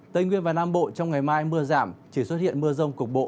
tây nguyên và nam bộ trong ngày mai mưa giảm chỉ xuất hiện mưa rông cục bộ